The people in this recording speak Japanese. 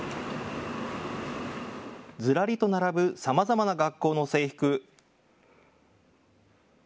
ずらりと並ぶさまざまな学校の制服。